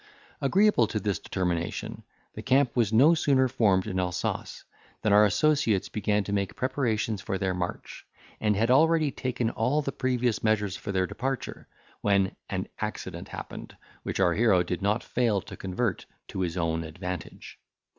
Agreeable to this determination, the camp was no sooner formed in Alsace than our associates began to make preparations for their march, and had already taken all the previous measures for their departure, when an accident happened, which our hero did not fail to convert to his own advantage.